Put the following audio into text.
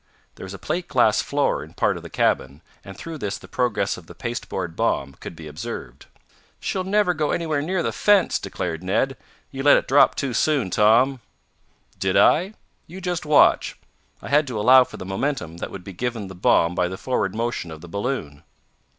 There was a plate glass floor in part of the cabin, and through this the progress of the pasteboard bomb could be observed. "She'll never go anywhere near the fence!" declared Ned. "You let it drop too soon, Tom!" "Did I? You just watch. I had to allow for the momentum that would be given the bomb by the forward motion of the balloon."